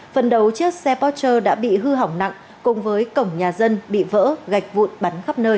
phần đầu chiếc xe pocher đã bị hư hỏng nặng cùng với cổng nhà dân bị vỡ gạch vụn bắn khắp nơi